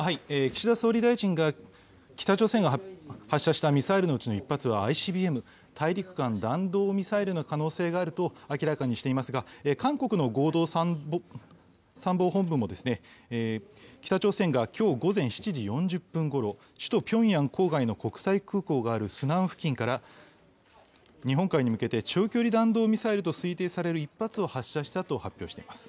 岸田総理大臣が、北朝鮮が発射したミサイルのうちの１発は、ＩＣＢＭ・大陸間弾道ミサイルの可能性があると明らかにしていますが、韓国の合同参謀本部も、北朝鮮がきょう午前７時４０分ごろ、首都ピョンヤン郊外の国際空港があるスナン付近から、日本海に向けて中距離弾道ミサイルと推定される１発を発射したと発表しています。